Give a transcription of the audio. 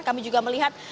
kami juga melihat